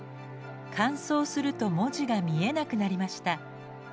乾燥すると文字が見えなくなりました。